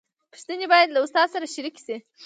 پوښتنې باید له استاد سره شریکې شي.